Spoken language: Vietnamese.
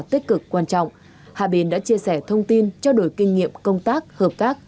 tích cực quan trọng hà bình đã chia sẻ thông tin trao đổi kinh nghiệm công tác hợp tác